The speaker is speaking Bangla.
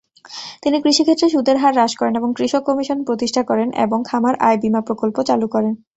তিনি কৃষিক্ষেত্রে সুদের হার হ্রাস করেন এবং কৃষক কমিশন প্রতিষ্ঠা করেন এবং খামার আয় বীমা প্রকল্প চালু করেন।